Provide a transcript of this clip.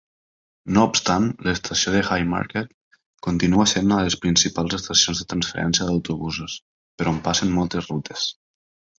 No obstant, l'estació de Haymarket continua sent una de les principals estacions de transferència d'autobusos, per on passen moltes rutes.